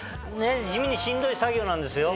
地味にしんどい作業なんですよ。